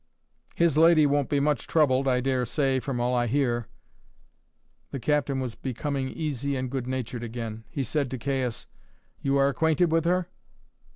"His lady won't be much troubled, I dare say, from all I hear." The captain was becoming easy and good natured again. He said to Caius: "You are acquainted with her?"